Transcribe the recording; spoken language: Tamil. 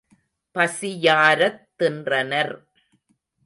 பசி யாரத் தின்றனர்.